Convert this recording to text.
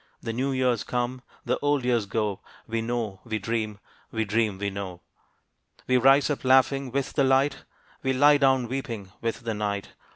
The new years come, the old years go, We know we dream, we dream we know. We rise up laughing with the light, We lie down weeping with the night.